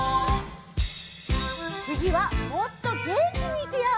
つぎはもっとげんきにいくよ！